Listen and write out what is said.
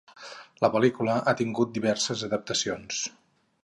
La pel·lícula ha tingut diverses adaptacions.